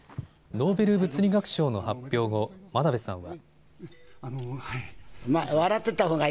ノーベル物理学賞の発表後真鍋さんは。